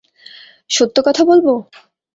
– সত্য কথা বলব?